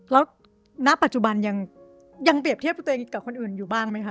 แล้วณปัจจุบันยังเปรียบเทียบกับตัวเองกับคนอื่นอยู่บ้างไหมคะ